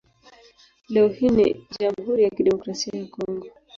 Leo hii ni Jamhuri ya Kidemokrasia ya Kongo.